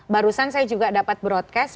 dan saya juga dapat broadcast